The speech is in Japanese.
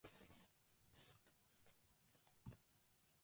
メロスは、単純な男であった。買い物を、背負ったままで、のそのそ王城にはいって行った。